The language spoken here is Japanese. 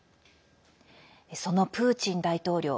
そのプーチン大統領